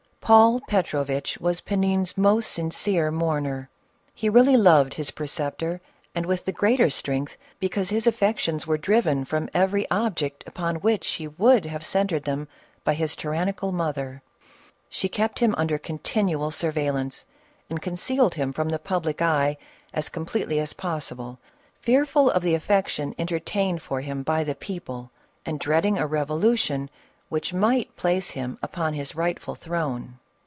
Paul Petrovitch was Panin's most sincere mourner ; he really loved his preceptor, and with the greater strength because his affections were driven from every object upon which he would have centered them, by his tyrannical mother. She kept him under con tinual surveillance, and concealed him from the public eye as completely as possible, fearful of the affection entertained for him by the people, and dreading a rev olution which might place him upon his rightful throne.